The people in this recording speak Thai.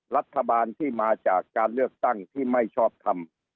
รัฐบาลที่มาจากการเลือกตั้งที่ไม่ชอบทำ